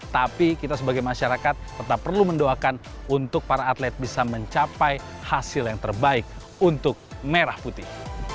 tapi kita sebagai masyarakat tetap perlu mendoakan untuk para atlet bisa mencapai hasil yang terbaik untuk merah putih